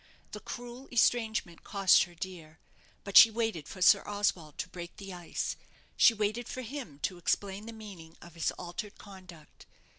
The cruel estrangement cost her dear; but she waited for Sir Oswald to break the ice she waited for him to explain the meaning of his altered conduct.